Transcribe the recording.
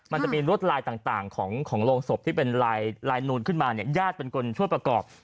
มันจะมีรวดลายต่างของโรงศพที่เป็นลายลายนูนขึ้นมาเนี่ยญาติเป็นคนช่วยประกอบ